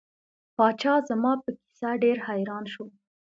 پاچا زما په کیسه ډیر حیران شو.